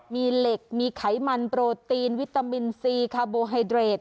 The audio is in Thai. มีเหล็กมีไขมันโปรตีนวิตามินซีคาโบไฮเดรด